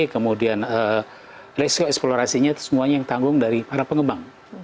kemudian resiko eksplorasinya semuanya yang tanggung dari para pengembang